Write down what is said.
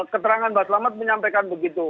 keterangan mbak selamat menyampaikan begitu